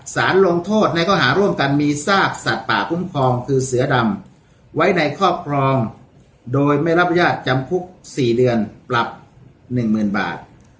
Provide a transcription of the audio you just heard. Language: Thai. สารลงโทษในข้อหาร่วมกันมีซากสัตว์ป่าคุ้มครองคือเสือดำไว้ในครอบครองโดยไม่รับอนุญาตจำคุก๔เดือนปรับ๑๐๐๐บาท